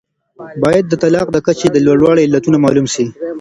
باید د طلاق د کچې د لوړوالي علتونه معلوم سي.